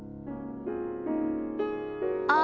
あ。